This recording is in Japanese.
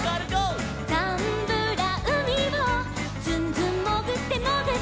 「ザンブラうみをずんずんもぐってもぐって」